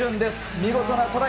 見事なトライ。